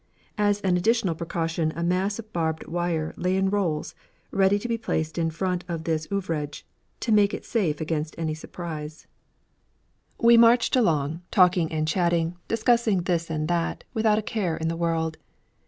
As an additional precaution a mass of barbed wire lay in rolls, ready to be placed in front of this ouvrage, to make it safe against any surprise. We marched along, talking and chatting, discussing this and that, without a care in the world.